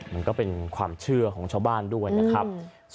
มันก็เป็นความเชื่อของชาวบ้านด้วยนะครับ